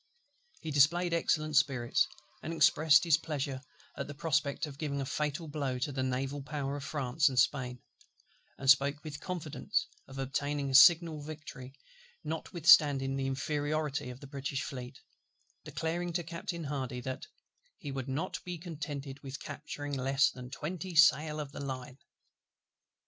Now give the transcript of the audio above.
He displayed excellent spirits, and expressed his pleasure at the prospect of giving a fatal blow to the naval power of France and Spain; and spoke with confidence of obtaining a signal victory notwithstanding the inferiority of the British Fleet, declaring to Captain HARDY that "he would not be contented with capturing less than twenty sail of the line."